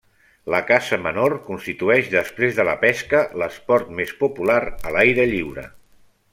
La caça menor constitueix, després de la pesca, l'esport més popular a l'aire lliure.